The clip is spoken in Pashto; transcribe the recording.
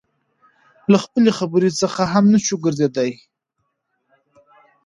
له خپلې خبرې څخه هم نشوى ګرځېدى.